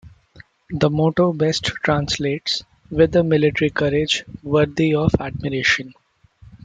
The motto best translates - "With a Military Courage Worthy of Admiration".